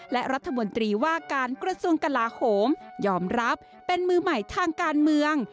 และรัฐมนตรีว่าการกระทรวงกลาโหมยอมรับเป็นมือใหม่ทางการเมือง